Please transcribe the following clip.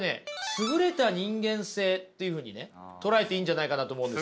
優れた人間性というふうにね捉えていいんじゃないかなと思うんですよ。